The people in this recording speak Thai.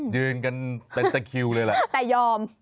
ยืนกันเป็นสคิวเลยแหละแต่ยอม